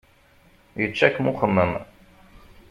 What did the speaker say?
Yečča-kem uxemmem.